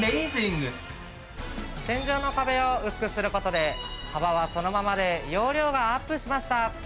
天井の壁を薄くする事で幅はそのままで容量がアップしました。